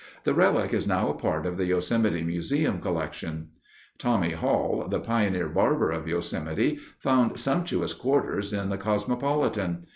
The relic is now a part of the Yosemite Museum collection. Tommy Hall, the pioneer barber of Yosemite, found sumptuous quarters in the Cosmopolitan.